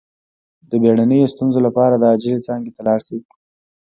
د بیړنیو ستونزو لپاره د عاجل څانګې ته لاړ شئ